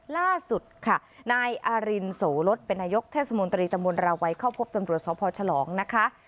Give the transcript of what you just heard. ล่าสุดค่ะนายอารินโสลดเป็นนายกเทศมนตรีตำบลราวัยเข้าพบตำรวจสพฉลองนะคะ